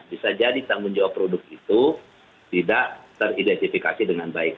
bisa jadi tanggung jawab produk itu tidak teridentifikasi dengan baik